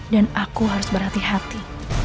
dan aku harus berhati hati